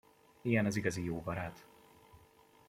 Ilyen az igazi jó barát.